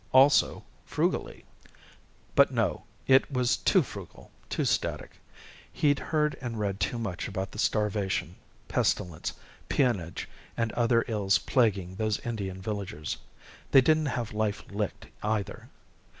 Also, frugally. But no. It was too frugal, too static. He'd heard and read too much about the starvation, pestilence, peonage and other ills plaguing those Indian villagers. They didn't have life licked, either.